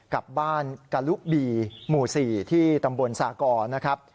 กับบ้านกะลุบีหมู่๔ที่ตำบลศากร